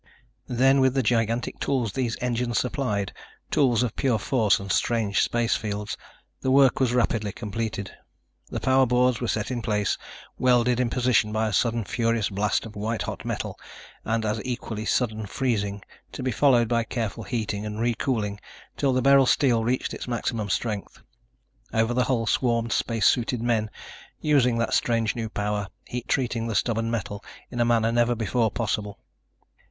Then, with the gigantic tools these engines supplied ... tools of pure force and strange space fields ... the work was rapidly completed. The power boards were set in place, welded in position by a sudden furious blast of white hot metal and as equally sudden freezing, to be followed by careful heating and recooling till the beryl steel reached its maximum strength. Over the hull swarmed spacesuited men, using that strange new power, heat treating the stubborn metal in a manner never before possible.